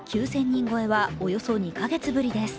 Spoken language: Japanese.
９０００人超えはおよそ２か月ぶりです